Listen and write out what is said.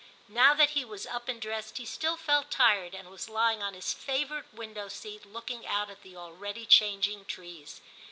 Now that he was up and dressed, he still felt tired, and was lying on his favourite window seat looking out at the already changing trees.